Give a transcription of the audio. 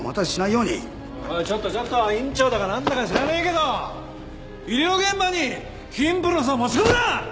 おいおいちょっとちょっと院長だかなんだか知らねえけど医療現場に貧富の差を持ち込むな！